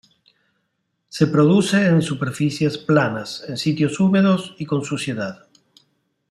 Se produce en superficies planas, en sitios húmedos y con suciedad.